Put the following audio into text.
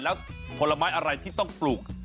แล้วผลไม้อะไรที่ต้องปลูก